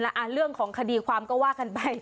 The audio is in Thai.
เรื่องของคดีความก็ว่ากันไป